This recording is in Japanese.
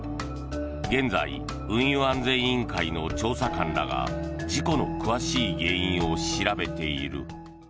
現在、運輸安全委員会の調査官らが事故の詳しい原因を調べている。